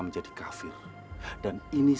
menjadi kafir dan ini